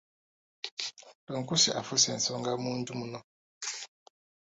Lunkuse afuuse ensonga mu nju muno.